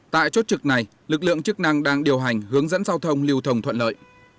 tại chốt trực này lực lượng chức năng đang điều hành hướng dẫn giao thông lưu thông thuận lợi